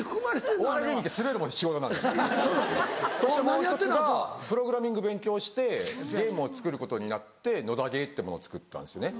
もう１つがプログラミング勉強してゲームを作ることになって『野田ゲー』ってものを作ったんですね。